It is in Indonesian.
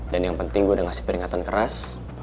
dan yang penting gue udah ngasih peringatan keras